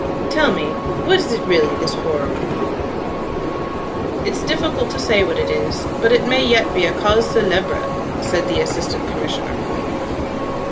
"Tell me, what is it really—this horror?" "It's difficult to say what it is, but it may yet be a cause célèbre," said the Assistant Commissioner.